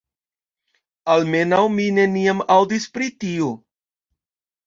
Almenaŭ mi neniam aŭdis pri tio.